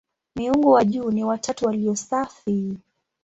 Miungu wa juu ni "watatu walio safi".